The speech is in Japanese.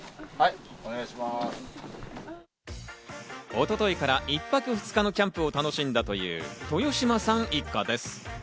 一昨日から１泊２日のキャンプを楽しんだという豊嶋さん一家です。